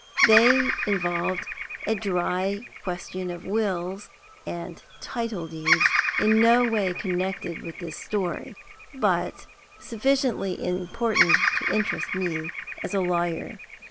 They involved a dry question of wills and title deeds in no way connected with this story, but sufficiently important to interest me as a lawyer.